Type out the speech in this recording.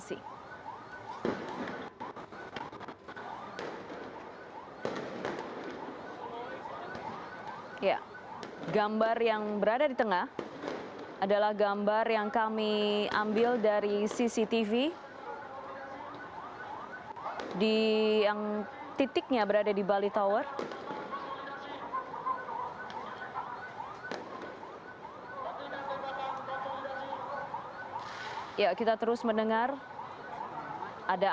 sedangkan gambar yang kanan adalah situasi di